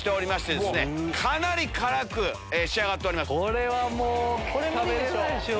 これはもう食べれないっしょ。